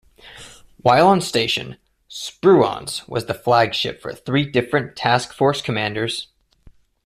While on station, "Spruance" was the flagship for three different task force commanders.